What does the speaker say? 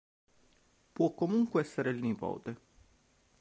Può comunque esserne il nipote.